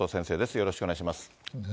よろしくお願いします。